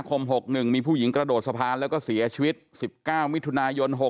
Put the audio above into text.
คนที่งมอ่ะ